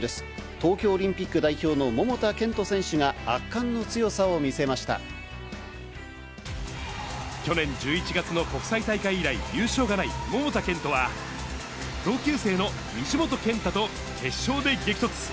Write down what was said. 東京オリンピック代表の桃田賢斗選手が、圧巻の去年１１月の国際大会以来、優勝がない桃田賢斗は、同級生の西本拳太と決勝で激突。